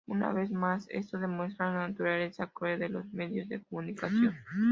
Una vez más, esto demuestra la naturaleza cruel de los medios de comunicación.